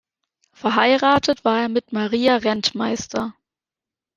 Verheiratet war er mit Maria Rentmeister.